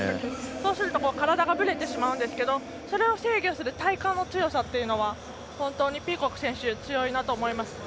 そうすると体がぶれてしまうんですけどそれを制御する体幹の強さというのは本当にピーコック選手強いなと思います。